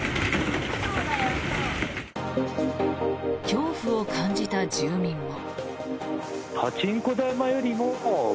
恐怖を感じた住民も。